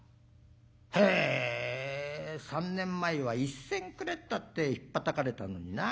「へえ３年前は１銭くれったってひっぱたかれたのにな。